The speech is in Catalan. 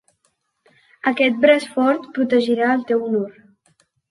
Aquest braç fort protegirà el teu honor.